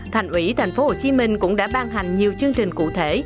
thành ủy thành phố hồ chí minh cũng đã ban hành nhiều chương trình cụ thể